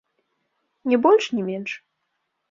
Не больш, не менш.